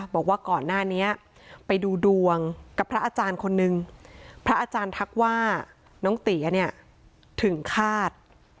บอกว่าก่อนหน้านี้ไปดูดวงกับพระอาจารย์คนนึงพระอาจารย์ทักว่าน้องเตี๋ยเนี่ยถึงฆาต